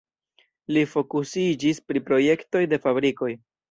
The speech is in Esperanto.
Li fokusiĝis pri projektoj de fabrikoj.